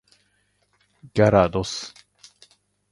ギャラドス